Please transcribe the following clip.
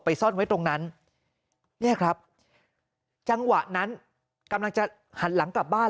ซ่อนไว้ตรงนั้นเนี่ยครับจังหวะนั้นกำลังจะหันหลังกลับบ้าน